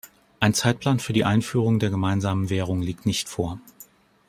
Ein Zeitplan für die Einführung der gemeinsamen Währung liegt nicht vor.